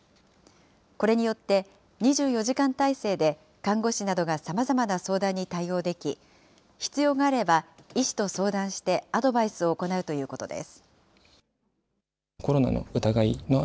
これによって、２４時間態勢で看護師などがさまざまな相談に対応でき、必要があれば、医師と相談して、アドバイスを行うということです。